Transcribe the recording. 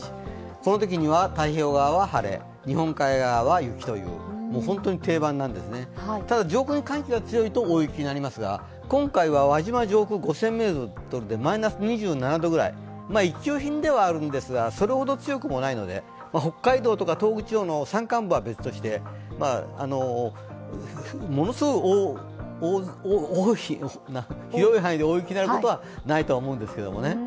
このときには太平洋側は晴れ日本海側は雪という本当に定番なんですね、ただ、上空に寒気が強いと大雪になりますが今回は輪島上空５０００ｍでマイナス２７度ぐらい、一級品ではあるんですがそれほど強くないので北海道とか東北地方の山間部は別として、ものすごい広い範囲で大雪になることはないと思うんですけどね。